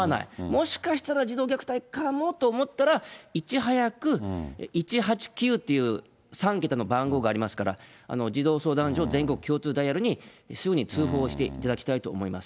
もしかしたら児童虐待かもと思ったら、いち早く１８９という３桁の番号がありますから、児童相談所全国共通ダイヤルにすぐに通報していただきたいと思い